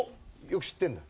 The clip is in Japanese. よく知ってるんだ？